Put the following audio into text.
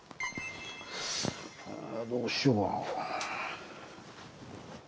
どうしようかな。